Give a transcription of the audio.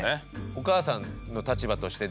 お母さんの立場としてどう？